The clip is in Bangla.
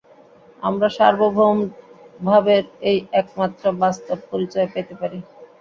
আমরা সার্বভৌম ভাবের এই একমাত্র বাস্তব পরিচয় পাইতে পারি।